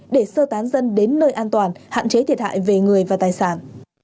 để sơ tán dân đến nơi an toàn hạn chế thiệt hại về người và tài sản